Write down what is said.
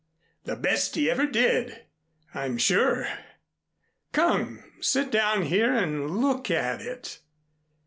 The best he ever did, I'm sure! Come, sit down here and look at it."